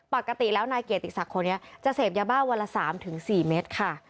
ปกติแล้วนายเกียรติศักดิ์คนนี้จะเสพยาบ้าวันละ๓๔เมตรค่ะ